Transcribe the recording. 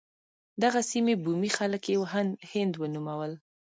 دغې سیمې بومي خلک یې هند ونومول.